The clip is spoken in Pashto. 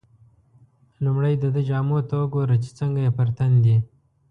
لومړی دده جامو ته وګوره چې څنګه یې پر تن دي.